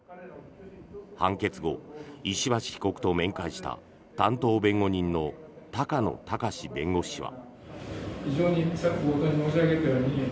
判決後、石橋被告と面会した担当弁護人の高野隆弁護士は。